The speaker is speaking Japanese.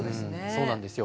そうなんですよ。